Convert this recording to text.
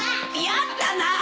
やったな！